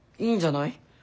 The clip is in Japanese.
いいんじゃない？